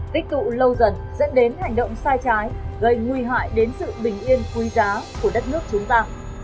tích tụ lâu dần dẫn đến hành động sai trái gây nguy hại đến sự bình yên quý giá của đất nước chúng ta